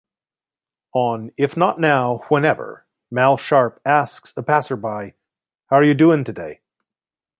On "If Not Now, Whenever" Mal Sharpe asks a passerby "How're you doin' today?